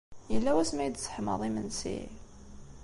Yella wasmi ay d-tesseḥmaḍ imensi?